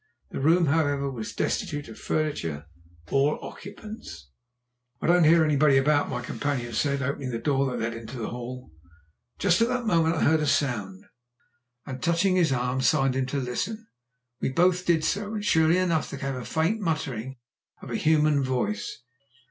The room, however, was destitute of furniture or occupants. "I don't hear anybody about," my companion said, opening the door that led into the hall. Just at that moment I heard a sound, and touching his arm signed to him to listen. We both did so, and surely enough there came again the faint muttering of a human voice.